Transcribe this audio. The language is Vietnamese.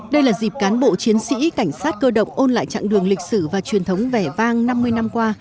đây là dịp cán bộ chiến sĩ cảnh sát cơ động ôn lại chặng đường lịch sử và truyền thống vẻ vang năm mươi năm qua